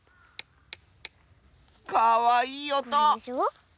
かわいいおと！